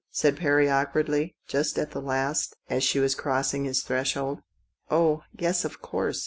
" said Perry awkwardly, just at the last, as she was crossing his threshold. " Oh, yes, of course.